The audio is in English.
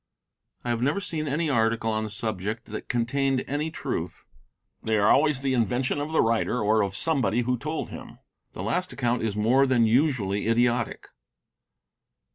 I have never seen any article on the subject that contained any truth. They are always the invention of the writer or of somebody who told him. The last account is more than usually idiotic.